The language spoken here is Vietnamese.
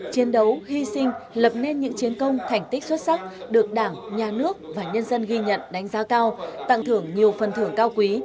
chiến đấu hy sinh lập nên những chiến công thành tích xuất sắc được đảng nhà nước và nhân dân ghi nhận đánh giá cao tặng thưởng nhiều phần thưởng cao quý